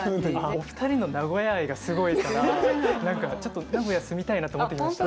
お二人の名古屋愛がすごいから何かちょっと名古屋住みたいなって思ってきました。